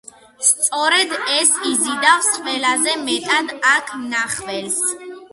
სწორედ ეს იზიდავს ყველაზე მეტად აქ მნახველს.